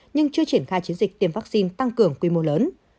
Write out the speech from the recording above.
nhưng chưa triển khai chiến dịch tiêm vaccine tăng cường quy mô lớn